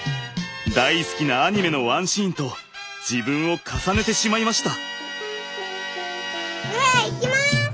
大好きなアニメのワンシーンと自分を重ねてしまいました。